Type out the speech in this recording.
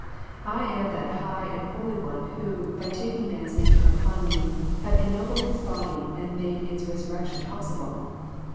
I am that high and holy One who, by taking man's nature upon Me, have ennobled his body, and made its resurrection possible.